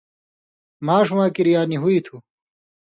ماݜواں کِریا نی ہُوئ تُھو